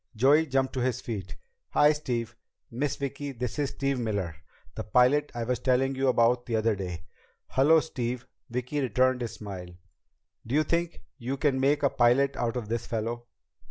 Joey jumped to his feet. "Hi, Steve! Miss Vicki, this is Steve Miller, the pilot I was telling you about the other day." "Hello, Steve." Vicki returned his smile. "Do you think you can make a pilot out of this fellow?"